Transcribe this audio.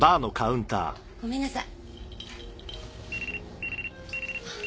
ごめんなさい。